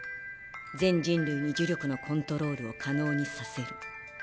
全人類に呪力のコントロールを可能にさせる。